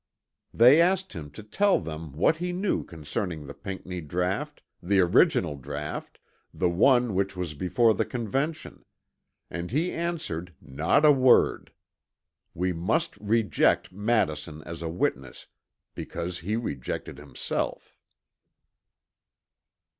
They asked him to tell them what he knew concerning the Pinckney draught, the original draught, the one which was before the Convention; and he answered not a word! We must reject Madison as a witness because he rejected himself.